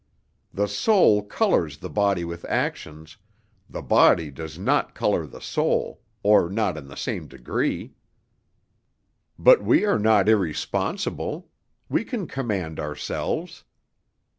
The soul colours the body with actions, the body does not colour the soul, or not in the same degree." "But we are not irresponsible. We can command ourselves."